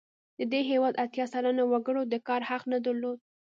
د دې هېواد اتیا سلنه وګړو د کار حق نه درلود.